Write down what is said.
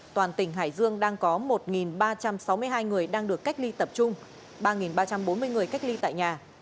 toàn tỉnh hải dương đang có một ba trăm sáu mươi hai người đang được cách ly tập trung ba ba trăm bốn mươi người cách ly tại nhà